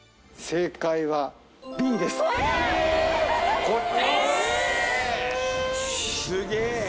正解は。え！